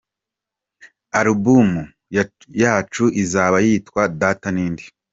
Alubumu yacu izaba yitwa Data ninde.